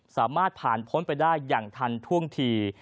สามารถผ่านพ้นไปได้อย่างทันท่วงที